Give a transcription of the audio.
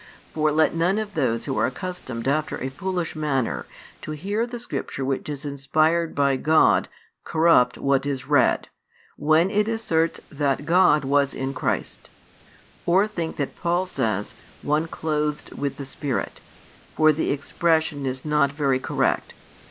For let none of those who are accustomed after a foolish manner to hear the Scripture which is inspired by God, corrupt what is read, when it asserts that God was in Christ; or think that [Paul] says "one clothed with the Spirit," for the expression is not very correct.